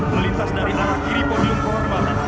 melintas dari arah kiri podium penghormatan